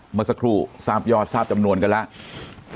เมื่อสักครู่ทราบยอดทราบจำนวนกันแล้ว